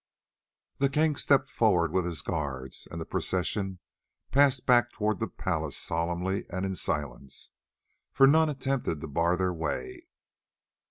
The king stepped forward with his guards and the procession passed back towards the palace solemnly and in silence, for none attempted to bar their way.